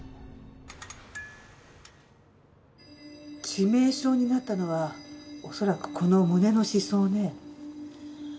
致命傷になったのは恐らくこの胸の刺創ね。